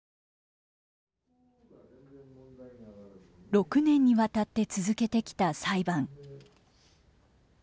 ６年にわたって続けてきた裁判。